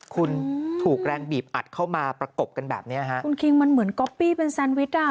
คุณถูกแรงบีบอัดเข้ามาประกบกันแบบเนี้ยฮะคุณคิงมันเหมือนก๊อปปี้เป็นแซนวิชอ่ะ